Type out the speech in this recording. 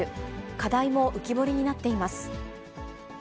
課題も浮き彫りになっています。